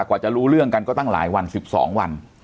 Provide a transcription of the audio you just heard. กว่าจะรู้เรื่องกันก็ตั้งหลายวัน๑๒วัน